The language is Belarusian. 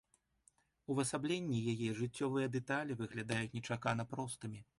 Увасабленне яе, жыццёвыя дэталі выглядаюць нечакана простымі.